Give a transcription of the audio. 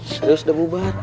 serius udah bubat